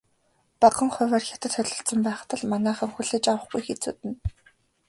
Багахан хувиар Хятад холилдсон байхад л манайхан хүлээж авахгүй хэцүүднэ.